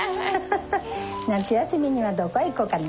夏休みにはどこ行こうかな？